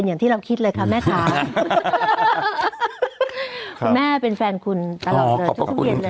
นั่งชมอยู่